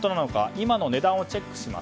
今の値段をチェックします。